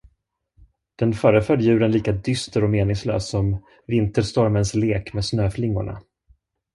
Den föreföll djuren lika dyster och meningslös som vinterstormens lek med snöflingorna.